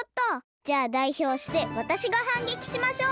じゃあだいひょうしてわたしがはんげきしましょう！